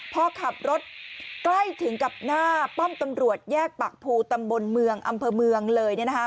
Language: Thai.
พอขับรถใกล้ถึงกับหน้าป้อมตำรวจแยกปากภูตำบลเมืองอำเภอเมืองเลยเนี่ยนะคะ